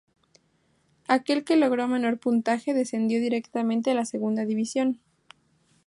Aquel que logró menor puntaje descendió directamente a la Segunda División.